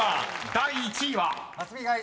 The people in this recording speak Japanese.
第１位は？］